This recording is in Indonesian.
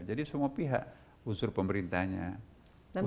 jadi semua pihak unsur pemerintahnya unsur sibilannya